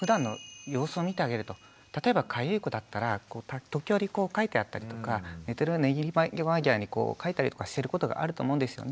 例えばかゆい子だったら時折かいていたりとか寝る間際にかいたりとかしてることがあると思うんですよね。